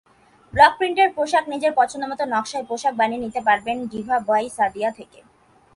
ব্লকপ্রিন্টের পোশাকনিজের পছন্দমতো নকশায় পোশাক বানিয়ে নিতে পারবেন ডিভা বাই সাদিয়া থেকে।